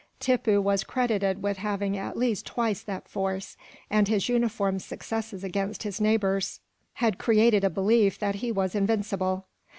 Tippoo was credited with having at least twice that force, and his uniform successes against his neighbours had created a belief that he was invincible.